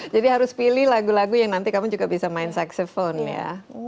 jadi harus pilih lagu lagu yang nanti kamu juga bisa main saksepon ya